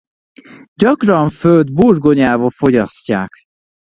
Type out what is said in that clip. Gyakran főtt burgonyával fogyasztják.